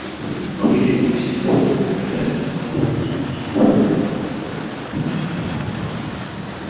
wa kike nchini Mafanikio yake Albamu ya Machozi ilifanikiwa kumweka katika thamani ya kuwa